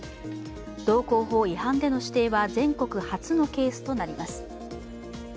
道交法違反での指定は全国初のケースとなります。